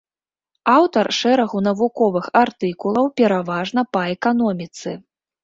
Аўтар шэрагу навуковых артыкулаў, пераважна па эканоміцы.